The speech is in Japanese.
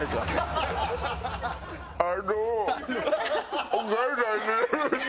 「あのお母さんに」。